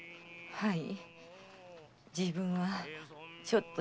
はい。